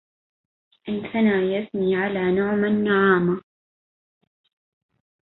انثنى يثني على نعمى النعامى